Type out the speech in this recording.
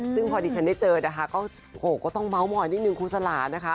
ซึ่งพอดีฉันได้เจอนะคะก็โหก็ต้องเมาส์มอยนิดนึงคุณสลานะคะ